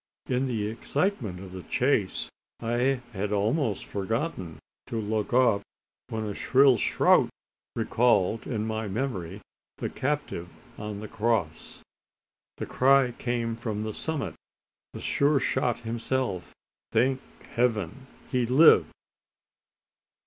In the excitement of the chase, I had almost forgotten to look up when a shrill shout recalled to my memory the captive on the cross. The cry came from the summit from Sure shot himself. Thank Heaven! he lived!